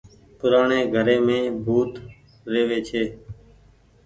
پورآڻي گهريم ڀوت ريوي ڇي۔